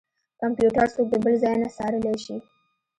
کمپيوټر څوک د بل ځای نه څارلی شي.